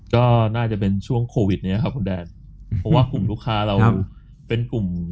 ก็น่าจะเป็นช่วงโควิดเนี้ยครับคุณแดนเพราะว่ากลุ่มลูกค้าเราเป็นกลุ่ม